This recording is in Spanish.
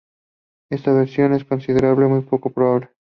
Esta versión se considera muy poco probable.